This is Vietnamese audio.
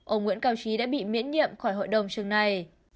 ông nguyễn cao trí đã bị miễn nhiệm khỏi hội đồng trường này